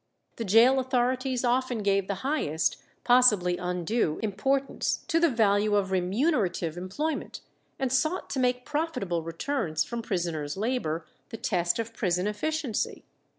The gaol authorities often gave the highest, possibly undue, importance to the value of remunerative employment, and sought to make profitable returns from prisoners' labour the test of prison efficiency.